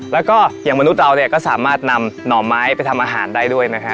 แล้วก็อย่างมนุษย์เราเนี่ยก็สามารถนำหน่อไม้ไปทำอาหารได้ด้วยนะฮะ